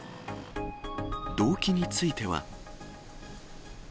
動機については。